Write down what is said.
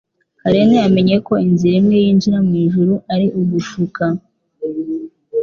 Karen yamenye ko inzira imwe yinjira mu ijuru ari ugushuka.